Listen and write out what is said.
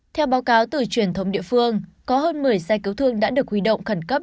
theo báo cáo từ truyền thống địa phương có hơn một mươi xe cứu thương đã được huy động khẩn cấp